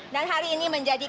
dan hari ini menjadi